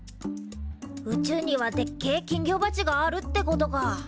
宇宙にはでっけえ金魚鉢があるってことか。